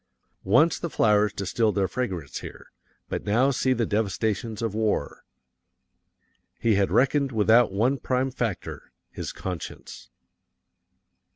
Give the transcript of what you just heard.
Once the flowers distilled their fragrance here, but now see the devastations of war. He had reckoned without one prime factor his conscience.